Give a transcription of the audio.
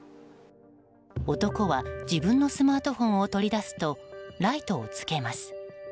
男は、自分のスマートフォンを取り出すとライトをつけます。